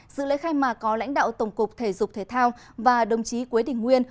dự lễ khai mạc có lãnh đạo tổng cục thể dục thể thao và đồng chí quế đình nguyên